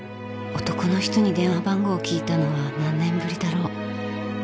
男の人に電話番号を聞いたのは何年ぶりだろう？